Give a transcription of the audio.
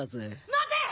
待て！